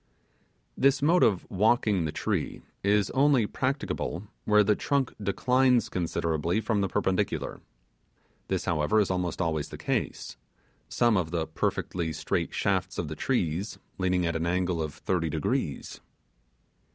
This mode of walking the tree is only practicable where the trunk declines considerably from the perpendicular. This, however, is almost always the case; some of the perfectly straight shafts of the trees leaning at an angle of thirty degrees.